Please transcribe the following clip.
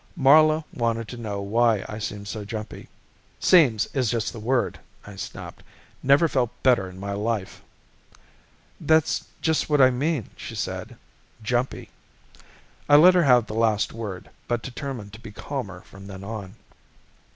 Marla wanted to know why I seemed so jumpy. "Seems is just the word," I snapped. "Never felt better in my life." "That's just what I mean," she said. "Jumpy." I let her have the last word but determined to be calmer from then on.